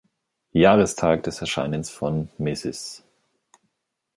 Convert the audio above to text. Jahrestag des Erscheinens von "Mrs.